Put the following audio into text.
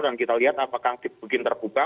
dan kita lihat apakah dibikin terbuka